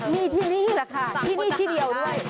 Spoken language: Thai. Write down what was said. มีที่นี่แหละค่ะที่นี่ที่เดียวด้วย